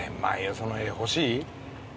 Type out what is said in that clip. その絵欲しい？